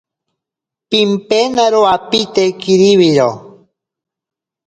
Pimpenaro apite kiribiro.